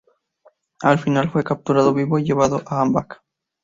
Al final fue capturado vivo y llevado a Angband.